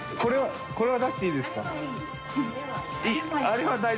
これは出していいですか？